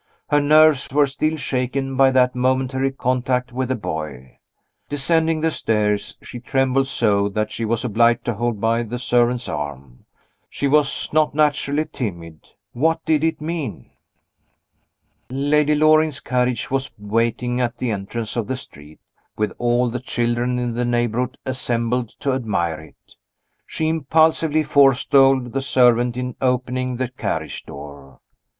Her nerves were still shaken by that momentary contact with the boy. Descending the stairs, she trembled so that she was obliged to hold by the servant's arm. She was not naturally timid. What did it mean? Lady Loring's carriage was waiting at the entrance of the street, with all the children in the neighborhood assembled to admire it. She impulsively forestalled the servant in opening the carriage door.